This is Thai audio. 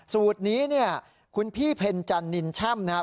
สูตรนี้เนี่ยคุณพี่เพ็ญจันนินแช่มนะครับ